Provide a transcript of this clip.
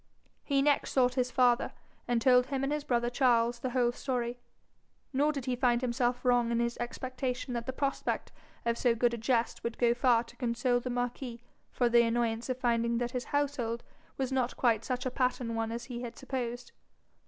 He next sought his father, and told him and his brother Charles the whole story; nor did he find himself wrong in his expectation that the prospect of so good a jest would go far to console the marquis for the annoyance of finding that his household was not quite such a pattern one as he had supposed.